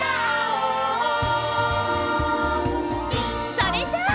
それじゃあ！